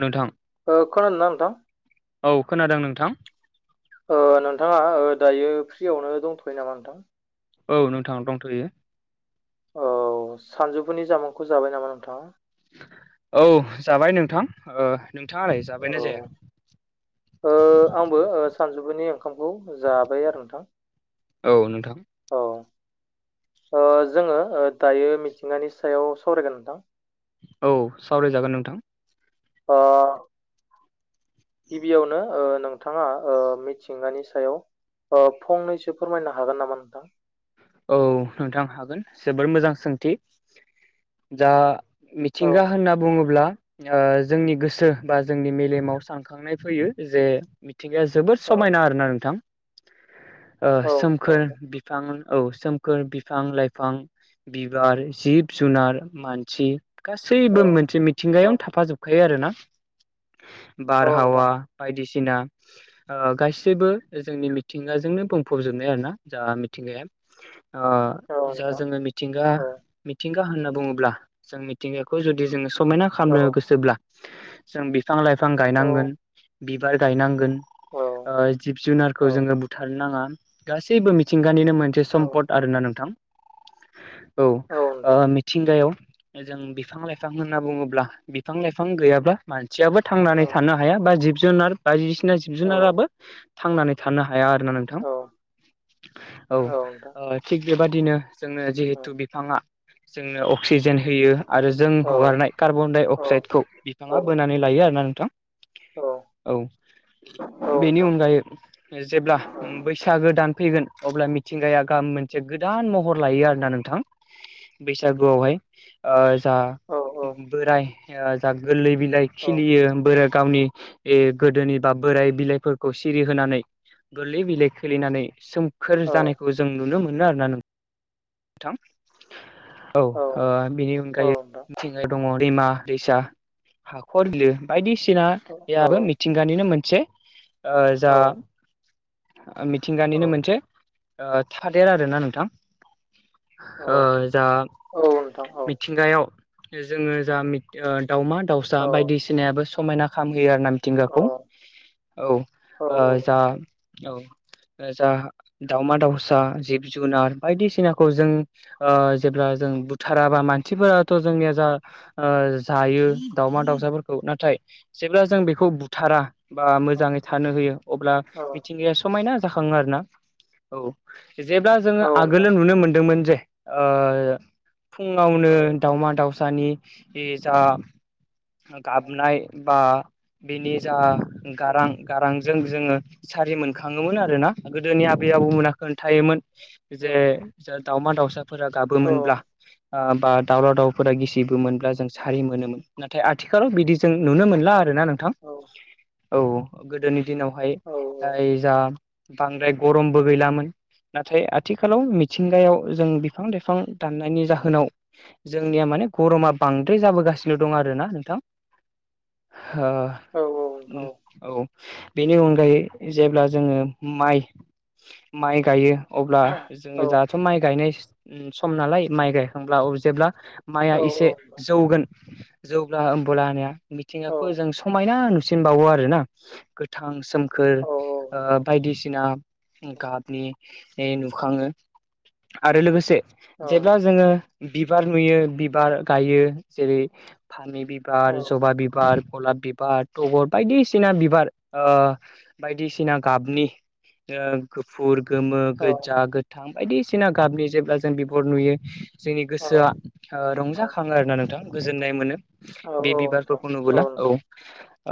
नोंथां ओ खनादोंना नोंथां औ खोनादों नोंथां ओ नोंथाङा ओ दायो फ्रियावनो दंथ'यो नामा नोंथां? औ नोंथां दंथ'यो औ सानजौफुनि जामुंखौ जाबाय नामा नोंथाङा? औ जाबाय नोंथां ओ नोंथाङालाय जाबायना औ जायाखै? सानजुफुनि ओंखामखौ जाबाय आरो नोंथां? औ नोंथां औ ओ जोङो दायो मिथिंगानि सायाव सावरायगोन नोंथां औ सावरायजागोन नोंथां ओ गिबियावनो नोंथाङा ओ मिथिंगानि सायाव ओ फंनैसो फोरमायनो हागोन नामा नोंथां? औ नोंथां हागोन जोबोर मोजां सोंथि जा औ मिथिंगा होनना बुङोब्ला जोंनि गोसो बा जोंनि मेलेमाव सानखांनाय फैयो जे मिथिंगाया जोबोद औ समायना आरोना नोंथां ओ औ औ सोमखोर नोंथां बिफां औ सोमखोर बिफां लाइफां बिबार जिब जुनार मानसि औ गासैबो मोनसे औ मिथिंगायावनो थाफाजोबखायो आरोना औ नोंथां बारहावा बायदिसि ना गासैबो जोंनि मिथिंगाजोंनो बुंफबजोबनाय आरोना जा मिथिंगाया ओ औ जा नोंथां जोङो मिथिंगा औ मिथिंगा होनना बुङोब्ला जों मिथिंगाखौ जुदि जोङो समायना औ खालामनो गोसोब्ला जों बिफां लाइफां गायनांगोन बिबार गायनांगोन औ ओ जिब जुनारखौ औ जोङो बुथारनो नाङा गासैबो मिथिंगानिनो मोनसे औ सम्पद आरोना नोंथां औ मिथिंगायाव जों बिफां लाइफां होनना बुङोब्ला बिफां लाइफां फिफां गैयाब्ला मानसियाबो औ थांनानै थानो हाया बा जिब जुनार बायदिसिना जिब औ जुनाराबो थां नानै थानो हाया आरोोना नोंथां औ औ नोंथां थिग बेबादिनो जोंनो औ जिहेथु बिफाङा जोंनो अक्सिजेन होयो आरो जों औ हगारनाय कार्बन डाइ अक्साइदखौ औ बिफाङा बोनानै लायो आरोना नोंथां [inaudible] औ बेनि नोंथां अनगायै जेब्ला बैसागो दान फैगोन अब्ला मिथिंगाया गाहाम मोनसे गोदान महर लायो आरोना नोंथां बैसागुआवहाय ओ जा औ औ बोराय जा गोरलै बिलाइ औ खिलियो बोराय गावनि गोदोनि बा बोराय बिलाइफोरखौ सिरि होनानै गोरलै बिलाइ खोलिनानै सोमखोर जानाय खौ जों नुनो मोनो आरोना नोंथां। औ ओ बिनि औ अनगायै मिथिंगायाव दङ दैमा दैसा। हाखर बिलो बायदिसिना औ बे नोंथां आरो मिथिंगानिनो मोनसे आ जा मिथिंगानिनो मोनसे ओ थादेर आरोना नोंथां। औ नोंथां औ ओ जा औ नोंथां औ मिथिंगायाव जोङो जा दावमा दाउसा बायदिसिनायाबो समायना खामहोयो आरो ना मिथिंगाखौ। औ ओ जा औ औ। जा दावमा दाउसा जिब जुनार बायदिसिना खौ जों जेब्ला जों बुथाराबा मानसिफोराथ' जोंनिया जा जा यो दाउमा दाउसाफोरखौ नाथाय जेब्ला जों बेखौ बुथारा बा औ मोजाङै थानो होयो अब्ला औ औ औ मिथिंगाया समायना जाखाङो आरो ना औ। जेब्ला नोंथां औ नोंथां औ जोङो नोंथां आगोलो नुनो मोनदोंमोन जे ओ फुङावनो दावमा दावसानि इ जा गाबनाय बा बेनि जा गारां गारांजों जोङो सारि मोनखाङोमोन आरोना गोदोनि आबै आबौमोना खोन्थायोमोन जे जा दावमा दाउसाफोरा गाबोमोनब्ला बा दावला दावउफोरा गिसिबो मोनब्ला जों सारि मोनोमोन। नाथाय आथिखालाव बिदि जों नुनो मोनला आरोना नोंथां। औ गोदोनि दिनावहाय ओइ जा बांद्राय गरमबो गैलामोन। नाथाय आथिखालाव मिथिंगायाव जों बिफां लाइफां दाननायनि जाहोनाव जोंनिया मा ने गरमा बांद्राय जाबोगासिनो। दं आरोना नोंथां हो औ। बेनि अनगायै जेब्ला जोङो माइ माइ गायो अब्ला जोङो दाथ' माइ गायनाय सम नालाय माइ गायखांब्ला जेब्ला माइआ एसे जौगोन जौब्ला होमब्ला होना मिथिंगाखौ जों समाय ना नुसिनबावो आरोना गोथां सोमखोर बायदिसिना गाहाबनि नुखाङो आरो लोगोसे जेब्ला जोङो बिबार नुयो बिबार गायो जेरै फामि औ बिबार, जबा बिबार। गलाब बिबार, तगर बायदिसिना बिबार ओ बायदिसिना गाबनि। ओ गुफुर गोमो, औ गोजा, गोथां बायदिसिना गाबनि जेब्ला जों बिबर नुयो। जोंनि औ गोसोआ ओ औ रंजाखाङो आरोना नोंथां गोजोननाय मोनो। औ बे औ नोंथां बिबारफोरखौ नुबोला औ नोंथां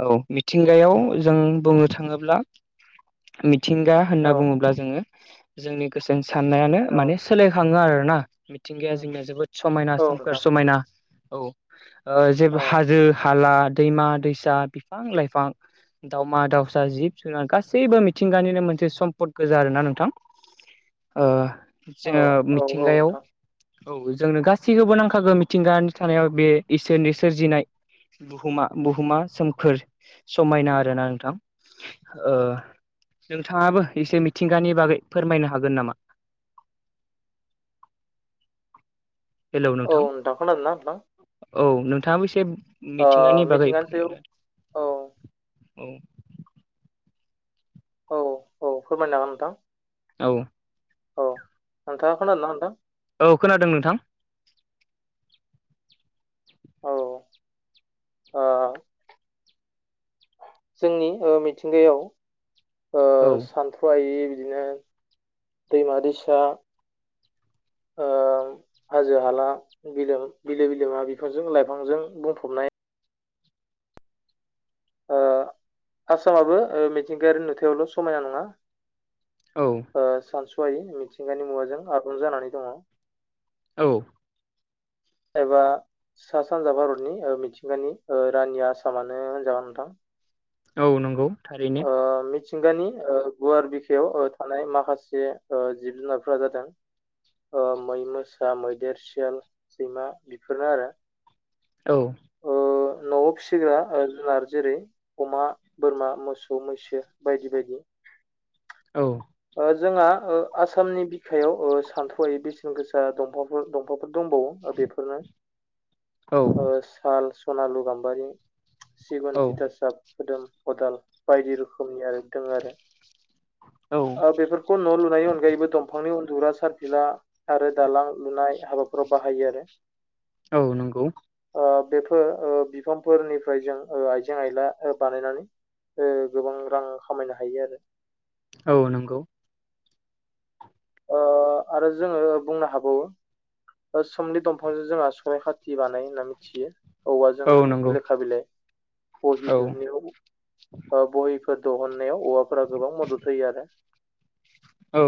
औ मि थिंगायाव औ जों बुंनो थाङोब्ला मिथिंगा औ होनना बुङोब्ला जोङो जोंनि गोसोनि साननायानो औ माने सोलायखाङो आरोना? मिथिंगाया उम, जोंनिया जोबोद समायना औ सोमखोर नोंथां समायना औ जेबो औ हाजो हाला दैमा दैसा बिफां लाइफां दावमा दाउसा, जिब जुनार गासैबो मिथिंगानिनो मोनसे सम्पद गोजा आरोना नोंथां। ओ औ जोङो औ औ मिथिंगायाव नोंथां औ जोंनो गासैखौबो नांखागो मिथिंगानि थानायाव बे इसोरनि सोरजिनाय बुहुमा बुहुमा सोमखोर समायना आरोना नोंथां। ओ नोंथाङाबो एसे मिथिंगानि बागै फोरमायनो हागोन नामा? [inaudible] हेलौ औ नोंथां दा खोना‌ दोंना नोंथां? औ नोंथाङाबो एसे ओ मिथिंगानि बागै सायाव फोरमायना औ होदो। औ औ औ फोरमायजागोन नोंथां। औ औ नोंथाङा खोनादों नोंथां? औ खोनादों नोंथां। औ ओ जोंनि मिथिंगायाव ओ औ सानथ्र'हायि बिदिनो दैमा दैसा ओ हाजो हाला बिल बिलो बिलोमा बिफांजों लाइफांजों बुंफबनाय ओ आसामाबो मिथिंगायारि नुथायावल' समायना नङा औ ओ सानस'वायै मिथिंगानि मुवाजों आबुं जानानै दङ। औ एबा सा सानजा भारतनि मिथिंगानि रानि आसामानो होनजाबा नोंथां औ नंगौ थारैनो थिंगानि गुवार बिखायाव थानाय माखासे जिब जुनारफोरा जादों मै मोसा मैदेर सयाल सैमा बेफोरनो आरो औ ओ न'आव फिसिग्रा जुनार जेरै अमा बोरमा मोसौ सौ मैसो बायदि बायदि औ ओ जोंहा आसामनि बिखायाव सानथौआायै बेसेन गोसा दंफांफोर दंफांफोर दंबावो दा औ बेफोरनो साल सनालु गाम्बारि सिगुन औ थिथासाब मोदोम खदाल बायदि रोखोमनि आरो दङ आरो औ बेफोरखौ न' लुनायनि अनगायैबो दंफांनि अन दुरा सारफिला आरो दालां लुनाय हाबाफोराव बाहायो आरो औ नंगौ बेफोर बिफांफोरनिफ्राय जों आइजें आइला बानायनानै गोबां रां खामायनो हायो आरो औ नंगौ आरो जोङो बुंनो हाबावो समनि दंफांजों जोंहा सनाय खाथि बानाय होनना मिथियो औवाजों औ नंगौ लेखा बिलाइ बहि औ दुनियाव बहि दिहुननायाव औवाफोरा गोबां मदद होयो आरो औ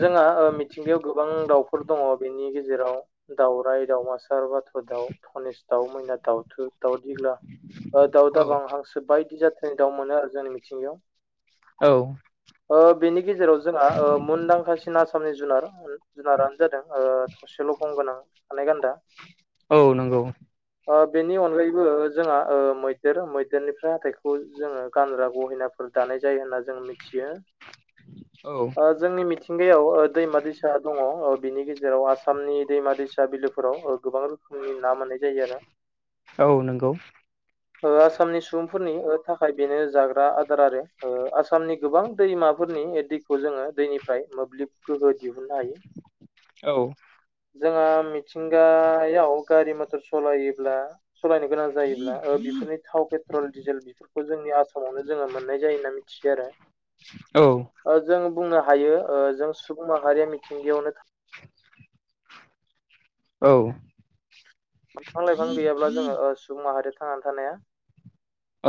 जोंहा मिथिंगायाव गोबां दाउफोर दङ बेनि गेजेराव दाउराय दाउमासाार ब बाथ' दाउ धनेस दाउ मैना दाउथु दाउदिग्ला दाउ औ दाबां हांसो बायदि जाथ्रनि दाउ मोनो आरो जोंनि मिथिंगायाव औ बेनि गेजेराव जोंहा थासिन आसामनि जुनार जुनारानो जादों थसेल' गं गोनां खानाय गान्दा औ नंगौ बेनि अनगायैबो जोंहा मैदेर मैदेरनिफ्राय हाथाइखौ जोङो गानग्रा गहिनाफोर दानाय जायो होनना जों मिथियो औ आंनि मिथिंगायाव दैमा दैसा दङ बिनि गेजेराव आसामनि दैमा दैसा बिलोफोराव गोबां गोबां रोखोमनि ना मोननाय जायो आरो औ नंगौ आसामनि सुबुंफोरनि थाखाय बेनो जाग्रा आदार आरो आसामनि गोबां दैमा फोरनि दैखौ जोङो दैनिफ्राय मोब्लिब गोहो दिहुननो हायो औ जोंहा मिथिंगायाव गारि मथर सालायोब्ला सालायनो गोनां जायोब्ला बेफोरनि थाव पेट्रल डिजेल बेफोरखौ जोंनि आसामावनो जोङो मोननाय जायो होनना मिथियो [unintelligible] [inaudible] ओ जों बुंनो हायो जों सुबुं माहारिया मिथिंगायावनो औ बिफां लाइफां गैयाब्ला ओ जोङो सुबुं माहारिया थांनानै थानायानो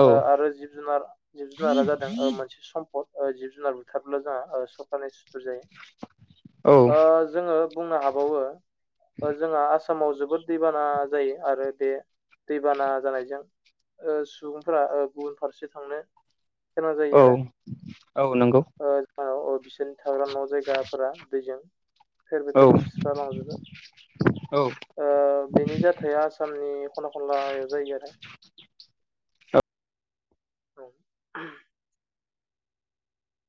औ हाया ओ आरो जिब जुनार जिब जुनारा जादों मोनसे सम्पद जिब जुनार बुथार्ला जोंहा सखानाय सुथुर औ जायो ओ जोङो बुंनो हाबावो जोंहा आसामाव जोबोद दैबाना जायो आरो बे दैबाना जानायजों ओ सुबुंफोरा ओ गुबुन फारसे थांनो सोरोनां जायो औ औ नंगौ आरो ओ जो औ थाग्रा न' जायगाफोरा दैजों थेर बेथेर औ सुस्र लांजोबो औ आसामनि खना खनल जायो आरो [unintelligible]